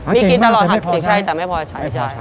มีกินตลอดแต่ไม่พอใช้